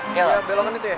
belok kanan itu ya